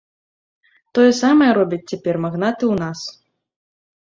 Тое самае робяць цяпер магнаты ў нас!